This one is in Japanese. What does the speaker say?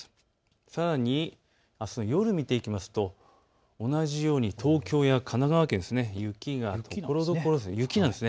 さらにあすの夜を見ていきますと同じように東京や神奈川県、雪がところどころ。